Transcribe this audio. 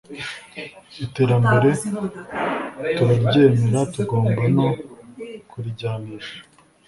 Iterambere turaryemera tugomba no kurijyanisha